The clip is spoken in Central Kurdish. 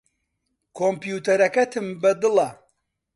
کۆمپیوتەرەکەتم بەدڵە.